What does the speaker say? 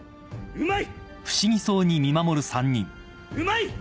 うまい！